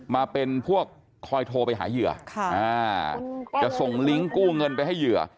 มาเป็นพวกคอยโทรไปหาเหยื่อจะส่งลิงก์กู้เงินไปให้เหยื่อ